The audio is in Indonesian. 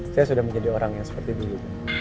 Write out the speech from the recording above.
saya sudah menjadi orang yang seperti dulu